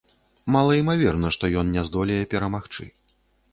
Малаімаверна, што ён не здолее перамагчы.